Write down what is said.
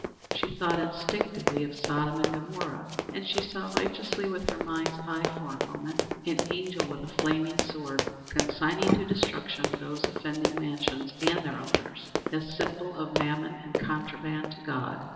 She thought instinctively of Sodom and Gomorrah, and she saw righteously with her mind's eye for a moment an angel with a flaming sword consigning to destruction these offending mansions and their owners as symbols of mammon and contraband to God.